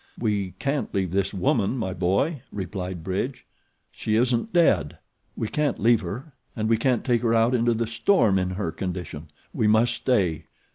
"We can't leave this woman, my boy," replied Bridge. "She isn't dead. We can't leave her, and we can't take her out into the storm in her condition. We must stay.